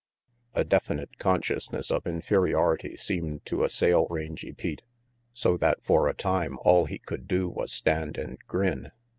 A definite consciousness of inferiority seemed to assail Rangy Pete, so that for a time all he could do was stand and grin.